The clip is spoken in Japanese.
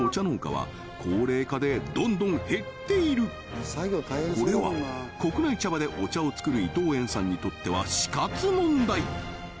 農家は高齢化でどんどん減っているこれは国内茶葉でお茶を作る伊藤園さんにとっては死活問題